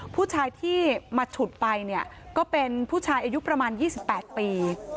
ผู้ชายที่มาฉุดไปเนี่ยก็เป็นผู้ชายอายุประมาณ๒๘ปี